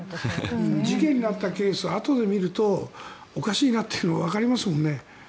事件があったケースあとで見るとおかしいなってわかりますもんね。